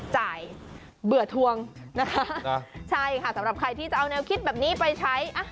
เบื่อทวงนะคะใช่ค่ะสำหรับใครที่จะเอาแนวคิดแบบนี้ไปใช้